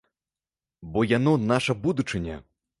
Бо яно наша будучыня!